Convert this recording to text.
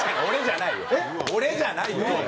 俺じゃないよ。